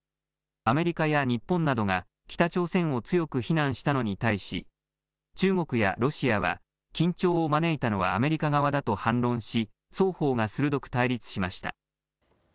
アメリカや日本などが北朝鮮を強く非難したのに対し中国やロシアは緊張を招いたのはアメリカ側だと反論し双方が鋭く対立しました。